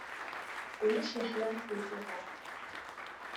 Ulac leḥya ass n tmeɣra.